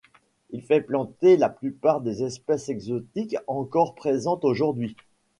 Il fait planter la plupart des espèces exotiques encore présentes aujourd'hui.